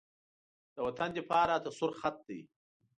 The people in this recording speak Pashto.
د وطن دفاع راته سور خط دی.